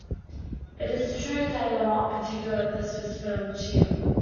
It is true they are not particular at the Swiss Frontier.